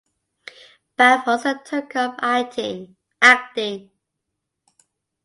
Baugh also took up acting.